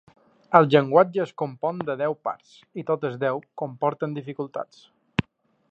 El llenguatge es compon de deu parts i totes deu comporten dificultats.